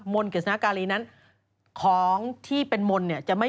มนต์กริจสนาการีส่วนลดมงจริงไม่ได้